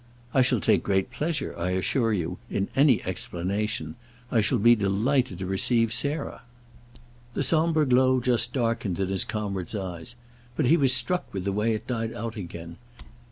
"I shall take great pleasure, I assure you, in any explanation. I shall be delighted to receive Sarah." The sombre glow just darkened in his comrade's eyes; but he was struck with the way it died out again.